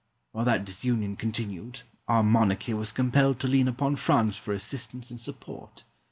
While that disunion continued, our monarchy was compelled to lean upon France for assistance and support.